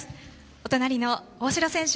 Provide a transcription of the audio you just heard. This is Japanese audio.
お隣の大城選手